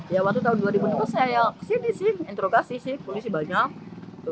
ya waktu tahun dua ribu enam saya kesini sih interogasi sih polisi banyak